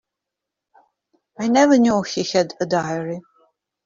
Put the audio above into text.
I never knew he had a diary.